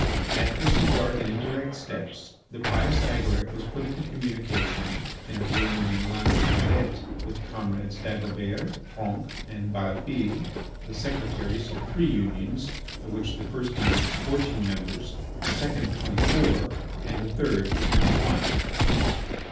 After some dark and indirect steps the pious Agaric was put into communication in a room in the Moulin de la Galette, with comrades Dagobert, Tronc, and Balafille, the secretaries of three unions of which the first numbered fourteen members, the second twenty four, and the third only one.